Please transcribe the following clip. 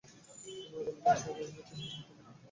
তিনি আদালতে ঘোষণা করেন যে তিনি ব্রিটিশ কর্তৃত্ব মানেন না।